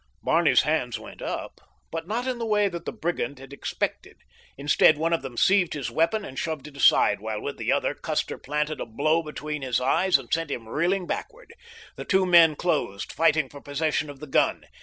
Barney's hands went up, but not in the way that the brigand had expected. Instead, one of them seized his weapon and shoved it aside, while with the other Custer planted a blow between his eyes and sent him reeling backward. The two men closed, fighting for possession of the gun.